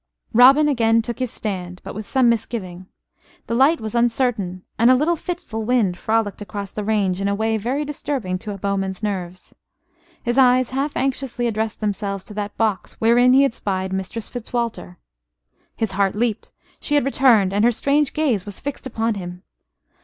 Robin again took his stand, but with some misgiving. The light was uncertain, and a little fitful wind frolicked across the range in a way very disturbing to a bowman's nerves. His eyes half anxiously addressed themselves to that box wherein he had spied Mistress Fitzwalter. His heart leaped she had returned, and her strange gaze was fixed upon him!